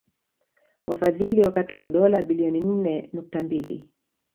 Wafadhili wakatoa dola bilioni nne nukta mbili